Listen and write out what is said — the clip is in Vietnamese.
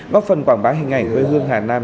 góp phần quảng bá hình ảnh quê hương hà nam